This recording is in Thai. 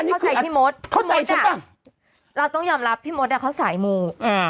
อันนี้แก่คือแพทย์ที่เข้าใจพี่มดพี่มดน่ะเราต้องยอมรับพี่มดน่ะเขาสายมู